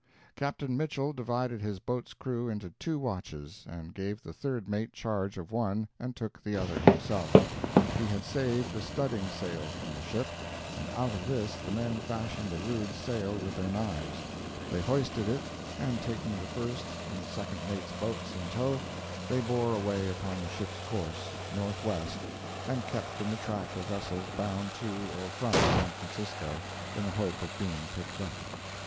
Captain Mitchell divided his boat's crew into two watches and gave the third mate charge of one and took the other himself. He had saved a studding sail from the ship, and out of this the men fashioned a rude sail with their knives; they hoisted it, and taking the first and second mates' boats in tow, they bore away upon the ship's course (northwest) and kept in the track of vessels bound to or from San Francisco, in the hope of being picked up.